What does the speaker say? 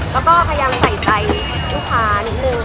แล้วก็พยายามใส่ใจลูกค้านิดนึง